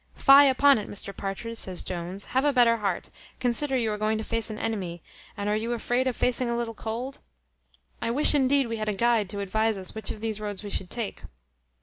"Fie upon it, Mr Partridge!" says Jones, "have a better heart; consider you are going to face an enemy; and are you afraid of facing a little cold? I wish, indeed, we had a guide to advise which of these roads we should take."